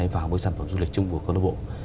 vào với sản phẩm du lịch chung của câu lạc bộ